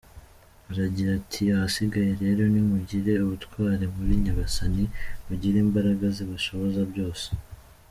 Aragira ati:”ahasigaye rero, nimugire ubutwali muri Nyagasani, mugire imbaraga zibashoboza byose.